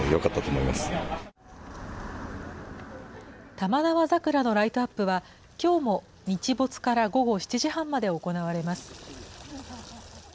玉縄桜のライトアップは、きょうも日没から午後７時半まで行われます。